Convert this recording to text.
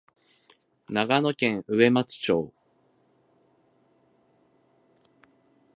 長野県上松町